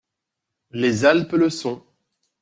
Les Alpes le sont.